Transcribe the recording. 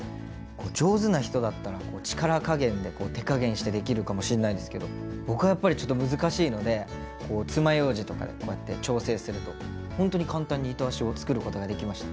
上手な人だったら力加減で手加減してできるかもしんないんですけど僕はやっぱりちょっと難しいのでこうつまようじとかでこうやって調整するとほんとに簡単に糸足を作ることができました。